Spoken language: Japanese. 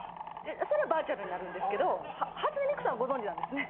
それはバーチャルになるんですけど初音ミクさんご存じなんですね。